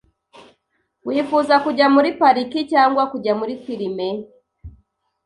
Wifuza kujya muri pariki cyangwa kujya muri firime?